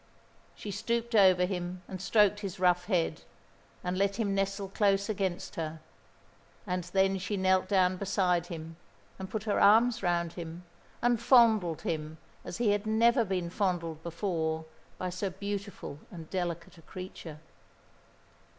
She stooped over him and stroked his rough head, and let him nestle close against her, and then she knelt down beside him and put her arms round him and fondled him as he had never been fondled before by so beautiful and delicate a creature.